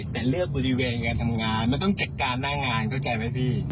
แต่เลือกบริเวณการทำงานมันต้องจัดการหน้างานเข้าใจไหมพี่